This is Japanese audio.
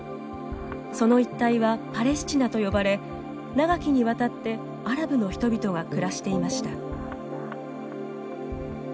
その一帯はパレスチナと呼ばれ長きにわたってアラブの人々が暮らしていました。